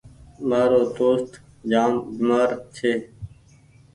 مآرو دوست جآم بيمآر ڇي۔